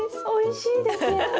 おいしいですよね。